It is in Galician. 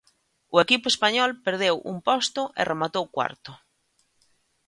O equipo español perdeu un posto e rematou cuarto.